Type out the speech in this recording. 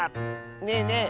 ねえねえ！